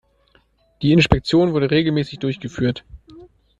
Die Inspektion wurde regelmäßig durchgeführt.